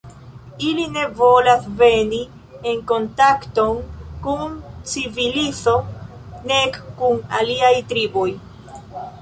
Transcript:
Ili ne volas veni en kontakton kun civilizo nek kun aliaj triboj.